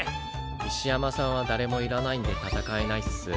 石山さんは誰もいらないんで戦えないっす。